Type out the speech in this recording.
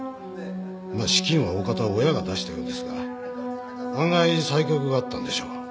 まあ資金は大方親が出したようですが案外才覚があったんでしょう